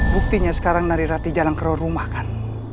buktinya sekarang narirati jalan ke rumah kan